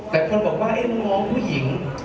แต่คนบอกว่าน้องผู้หญิง